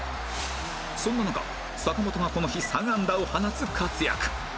そんな中坂本がこの日３安打を放つ活躍